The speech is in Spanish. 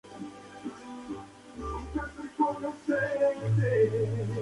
Murió en París con noventa y cuatro años.